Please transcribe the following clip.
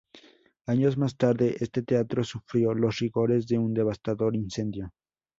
Años más tarde este teatro sufrió los rigores de un devastador incendio.